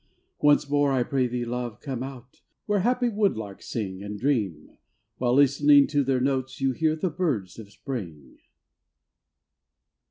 Once more, I pray thee, love, come out, Where happy woodlarks sing, And dream, while listening to their notes, You hear the birds of Spring.